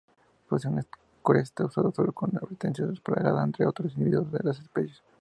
Posee una cresta usada solo como advertencia, desplegada ante otros individuos de las especies.